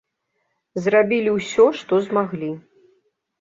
Зрабілі ўсё, што змаглі.